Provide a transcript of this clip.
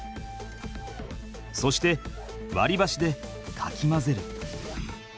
そしてわりばしでかき混ぜる。